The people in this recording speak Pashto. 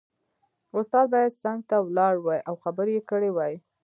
استاد باید څنګ ته ولاړ وای او خبرې یې کړې وای